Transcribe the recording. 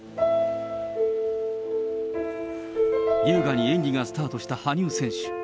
優雅に演技がスタートした羽生選手。